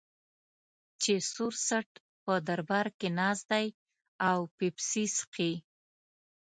چې سور څټ په دربار کې ناست دی او پیپسي څښي.